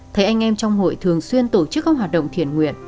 thấy anh em trong hội thường xuyên tổ chức các hoạt động thiện nguyện